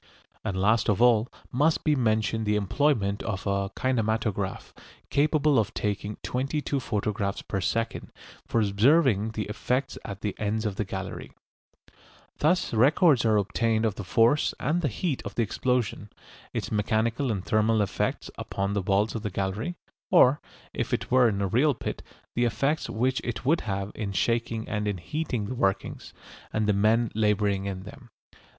And last of all must be mentioned the employment of a kinematograph, capable of taking twenty two photographs per second, for observing the effects at the ends of the gallery (see illustrations). Thus records are obtained of the force and heat of the explosion, its mechanical and thermal effects upon the walls of the gallery, or, if it were in a real pit, the effects which it would have in shaking and in heating the workings, and the men labouring in them.